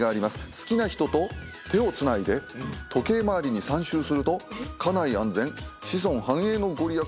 好きな人と手をつないで時計回りに３周すると家内安全子孫繁栄の御利益があるということですね。